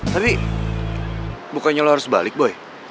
tadi bukannya lo harus balik boy